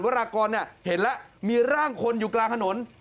รากรเห็นแล้วมีร่างคนอยู่กลางถนน